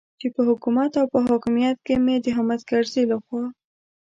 چې په حکومت او په حاکمیت کې مې د حامد کرزي لخوا.